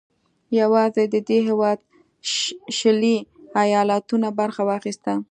یوازې د دې هېواد شلي ایالتونو برخه واخیسته.